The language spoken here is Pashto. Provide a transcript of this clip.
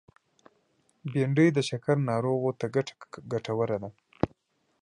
بېنډۍ د شکر ناروغو ته ګټوره ده